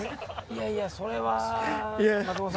いやいやそれは。